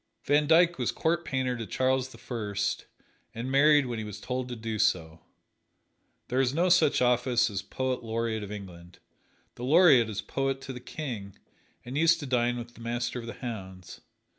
Van Dyck was court painter to Charles the First, and married when he was told to do so. There is no such office as "Poet Laureate of England" the Laureate is poet to the King, and used to dine with the Master of the Hounds.